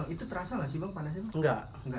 itu terasa gak sih bang panasnya enggak